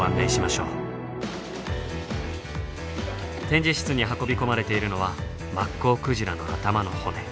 展示室に運び込まれているのはマッコウクジラの頭の骨。